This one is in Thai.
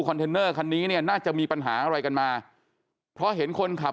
เทนเนอร์คันนี้เนี่ยน่าจะมีปัญหาอะไรกันมาเพราะเห็นคนขับ